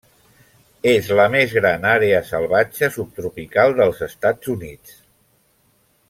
És el més gran àrea salvatge subtropical dels Estats Units.